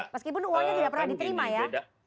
meskipun uangnya tidak pernah diterima ya